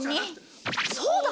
そうだ！